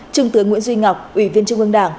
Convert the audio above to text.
trung tướng nguyễn duy ngọc ủy viên trung ương đảng